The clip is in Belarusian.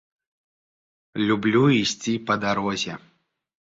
Люблю ісці па дарозе.